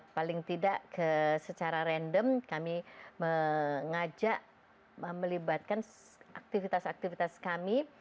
paling tidak secara random kami mengajak melibatkan aktivitas aktivitas kami